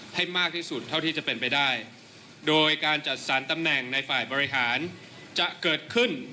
ตำแหน่งในฝ่ายบริหารจะเกิดขึ้น